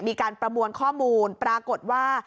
มีการประมวลข้อมูลปรากฏว่า